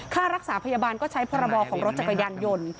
ค่ารักษาพยาบาลก็ใช้พรบของรถจักรยานยนต์